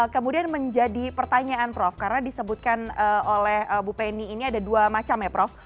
kemudian menjadi pertanyaan prof karena disebutkan oleh bu penny ini ada dua macam ya prof